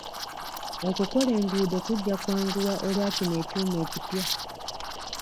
Okukola enguudo kujja kwanguwa olwa kino ekyuma ekipya.